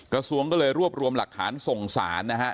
กระทรวงก็เลยรวบรวมหลักฐานส่งสารนะฮะ